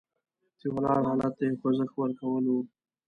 چې ولاړ حالت ته یې خوځښت ورکول وو.